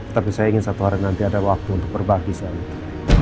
tapi saya ingin satu hari nanti ada waktu untuk berbagi sekali